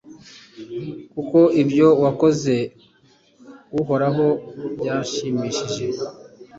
Kuko ibyo wakoze Uhoraho byanshimishije